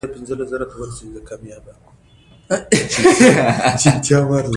چې وګورم ایا کوم هدفونه مې ټاکلي وو